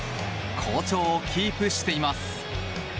好調をキープしています。